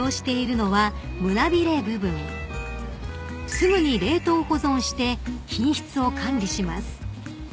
［すぐに冷凍保存して品質を管理します］